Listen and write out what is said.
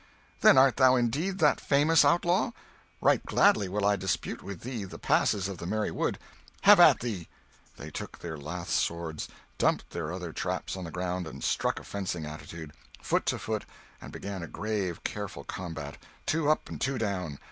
"Then art thou indeed that famous outlaw? Right gladly will I dispute with thee the passes of the merry wood. Have at thee!" They took their lath swords, dumped their other traps on the ground, struck a fencing attitude, foot to foot, and began a grave, careful combat, "two up and two down."